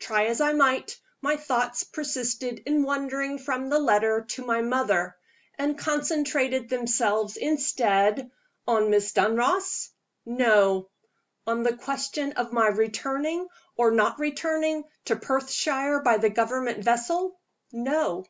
Try as I might, my thoughts persisted in wandering from the letter to my mother, and concentrated themselves instead on Miss Dunross? No. On the question of my returning, or not returning, to Perthshire by the Government vessel? No.